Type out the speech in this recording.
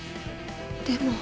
でも。